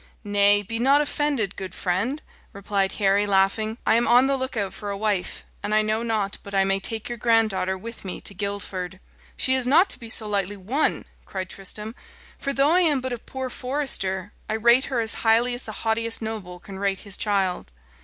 "Nay, be not offended, good friend," replied Harry, laughing. "I am on the look out for a wife, and I know not but I may take your granddaughter with me to Guildford." "She is not to be so lightly won," cried Tristram; "for though I am but a poor forester, I rate her as highly as the haughtiest noble can rate his child."